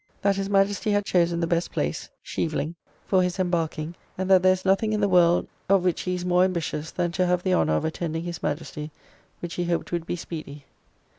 That his Majesty had chosen the best place, Scheveling, [Schevingen, the port of the Hague] for his embarking, and that there is nothing in the world of which he is more ambitious, than to have the honour of attending his Majesty, which he hoped would be speedy.